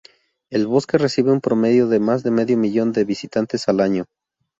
El bosque recibe un promedio de más de medio millón de visitantes al año.